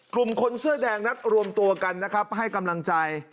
กลุ่มคนเสื้อแดงนักรวมตัวกันให้กำลังใจ